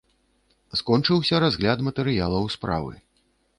Скончыўся разгляд матэрыялаў справы.